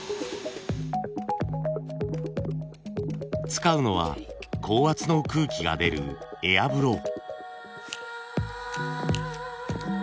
使うのは高圧の空気が出るエアブロー。